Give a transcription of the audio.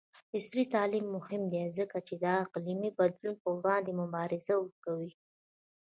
عصري تعلیم مهم دی ځکه چې د اقلیم بدلون پر وړاندې مبارزه کوي.